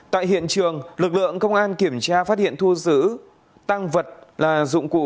tại hiện trường lực lượng công an kiểm tra phát hiện thu giữ tăng vật là dụng cụ